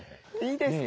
いいですか？